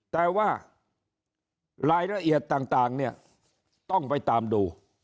แต่ว่ารายละเอียดต่างเนี่ยต้องไปตามดู